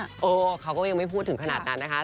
เขาก็ยังไม่พูดถึงขนาดนั้นนะคะ